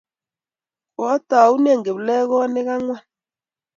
kiotounen kiplekonik ang'wan